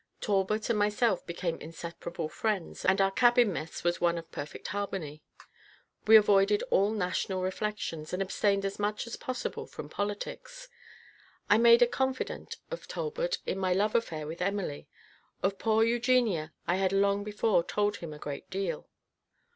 Talbot and myself became inseparable friends, and our cabin mess was one of perfect harmony. We avoided all national reflections, and abstained as much as possible from politics. I made a confidant of Talbot in my love affair with Emily. Of poor Eugenia, I had long before told him a great deal.